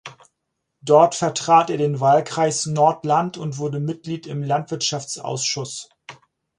Dort vertrat er den Wahlkreis Nordland und wurde Mitglied im Landwirtschaftsausschuss.